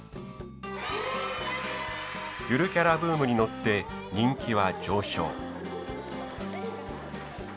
ゆるキャラブームに乗って人気は上昇。